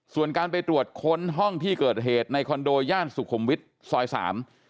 ส่วนการไปตรวจค้นห้องที่เกิดเหตุในคอนโดย่านสุขุมวิทย์ซอยสาม